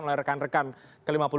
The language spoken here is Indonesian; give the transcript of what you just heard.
oleh rekan rekan ke lima puluh